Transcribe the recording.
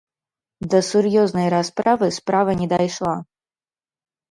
Да сур'ёзнай расправы справа не дайшла.